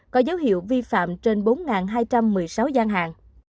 có dấu hiệu vi phạm trên bốn hai trăm một mươi sáu gian hàng